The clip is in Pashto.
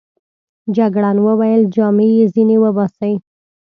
جګړن وویل: جامې يې ځینې وباسئ.